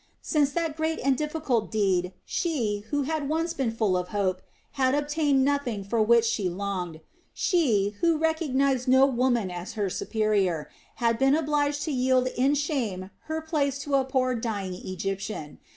Since that great and difficult deed she, who had once been full of hope, had obtained nothing for which she longed. She, who recognized no woman as her superior, had been obliged to yield in shame her place to a poor dying Egyptian.